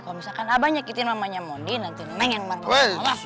kalau misalkan abah nyakitin umahnya mondi nanti neng yang marah sama abah